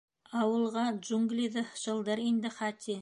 Ауылға джунглиҙы шылдыр инде, Хати.